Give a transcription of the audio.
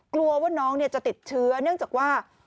กลัวว่าน้องจะติดเชื้อเนื่องจากว่า